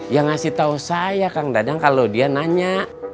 ya ngasih tau saya kang dadang kalau dia nanya